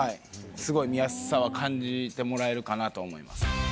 すごい見やすさは感じてもらえるかなと思います。